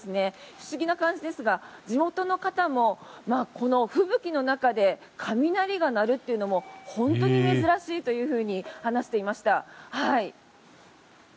不思議な感じですが地元の方も、吹雪の中で雷が鳴るというのも本当に珍しいと話していました。